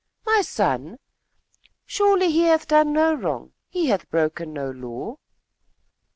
"My son! Surely he hath done no wrong. He hath broken no law."